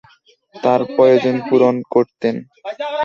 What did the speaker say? তাঁর প্রয়োজন পূরণ করতেন।